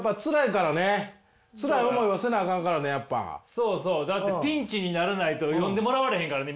そうそうだってピンチにならないと読んでもらわれへんからね